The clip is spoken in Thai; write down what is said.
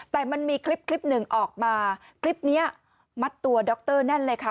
แต่มันมีคลิปคลิปหนึ่งออกมาคลิปนี้มัดตัวดรแน่นเลยค่ะ